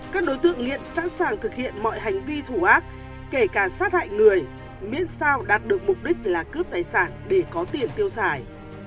các đối tượng nghiện sẵn sàng thực hiện mọi hành vi thủ ác kể cả sát hại người miễn sao đạt được mục đích là cướp tài sản để có tiền tiêu xài